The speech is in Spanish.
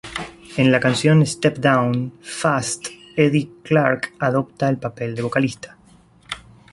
En la canción "Step Down" "Fast" Eddie Clarke adopta el papel de vocalista.